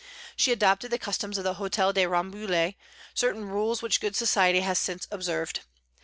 She adopted the customs of the Hôtel de Rambouillet, certain rules which good society has since observed.